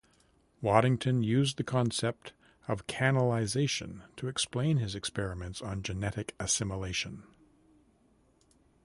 Waddington used the concept of canalisation to explain his experiments on genetic assimilation.